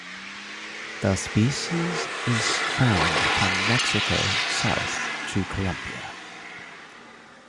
The species is found from Mexico south to Colombia.